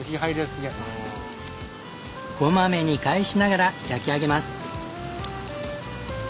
こまめに返しながら焼き上げます。